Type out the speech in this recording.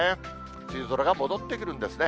梅雨空が戻ってくるんですね。